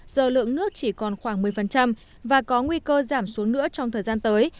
giờ lượng nước chỉ còn khoảng một mươi và có nguy cơ giảm xuống nữa trong thời gian tới